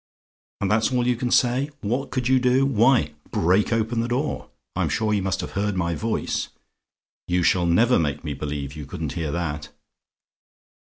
"And that's all you can say? "WHAT COULD YOU DO? "Why, break open the door; I'm sure you must have heard my voice: you shall never make me believe you couldn't hear that.